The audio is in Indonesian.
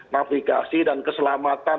navigasi dan keselamatan